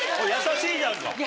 ・優しいじゃんか。